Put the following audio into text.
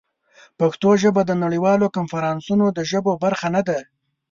پښتو ژبه د نړیوالو کنفرانسونو د ژبو برخه نه ده.